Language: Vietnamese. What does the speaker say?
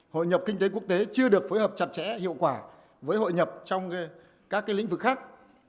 hội nhập kinh tế quốc tế chưa được phối hợp chặt chẽ hiệu quả với hội nhập trong các lĩnh vực khác